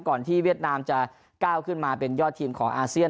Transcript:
ที่เวียดนามจะก้าวขึ้นมาเป็นยอดทีมของอาเซียน